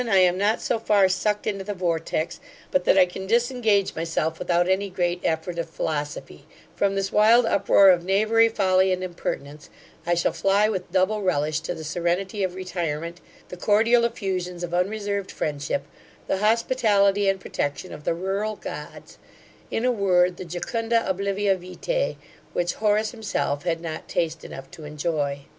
I am not so far sucked into the vortex, but that I can disengage myself without any great effort of philosophy From this wild uproar of knavery, folly, and impertinence, I shall fly with double relish to the serenity of retirement, the cordial effusions of unreserved friendship, the hospitality and protection of the rural gods; in a word, the jucunda oblivia Vitae, which Horace himself had not taste enough to enjoy.